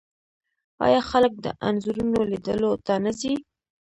آیا خلک د انځورونو لیدلو ته نه ځي؟